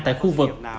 tại khu vực